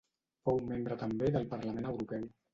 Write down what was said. Fou membre també del Parlament Europeu.